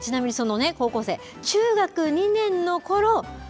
ちなみにその高校生、中学２年のころ